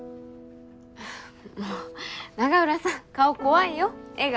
もう永浦さん顔怖いよ笑顔！